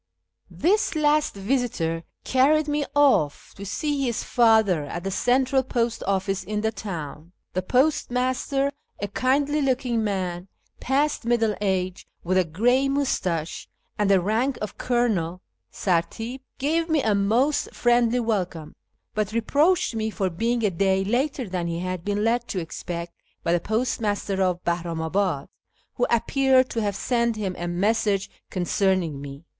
This last visitor carried me off to see his father at the Central Post Ofl&ce in the town. The postmaster, a kindly looking man, past middle age, with a gray moustache and the rank of colonel {sartip), gave me a most friendly welcome, but reproached me for being a day later than he had been led to expect by the postmaster of Bahnimabad, who appeared to have sent him a message concerning me.